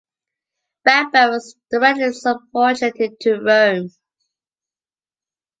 Bamberg was directly subordinated to Rome.